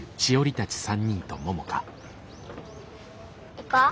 行こう。